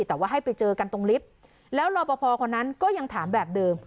แต่ว่าให้ไปเจอกันตรงลิฟต์แล้วรอปภคนนั้นก็ยังถามแบบเดิม